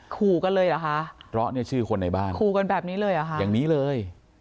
ครูกันเลยเหรอคะเราะชื่อคนในบ้านครูกันแบบนี้เลยเหรออย่างนี้เลย